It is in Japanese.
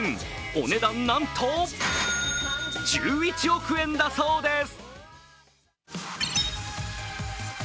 お値段、なんと１１億円だそうです。